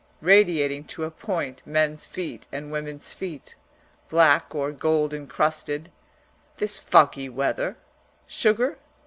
Radiating to a point men's feet and women's feet, black or gold encrusted (This foggy weather Sugar?